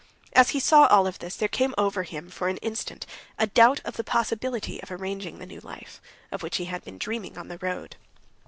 As he saw all this, there came over him for an instant a doubt of the possibility of arranging the new life, of which he had been dreaming on the road.